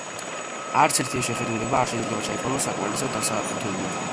არც ერთი ეს შეხედულება არ შეიძლება ჩაითვალოს საკმარისად დასაბუთებულად.